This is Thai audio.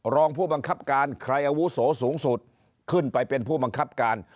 รองผู้บังคับการใครอาวุโสสูงสุดขึ้นไปเป็นผู้บังคับการ